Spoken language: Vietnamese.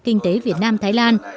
kinh tế việt nam thái lan